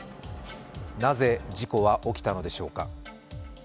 なぜ事故は起きたのでしょうか。